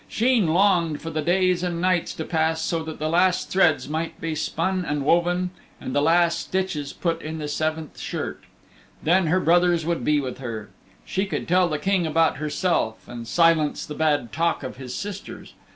Sheen longed for the days and nights to pass so that the last threads might be spun and woven and the last stitches put in the seventh shirt. Then her brothers would be with her. She could tell the King about herself and silence the bad talk of his sisters.